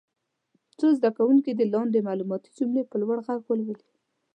څو زده کوونکي دې لاندې معلوماتي جملې په لوړ غږ ولولي.